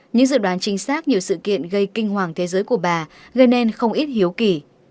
những dự đoán chính xác nhiều sự kiện gây kinh hoàng thế giới của bà gây nên không ít hiếu kỳ